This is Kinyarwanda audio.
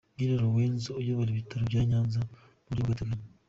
Gule Lwesso, uyobora ibitaro bya Nyanza mu buryo bw’agateganyo.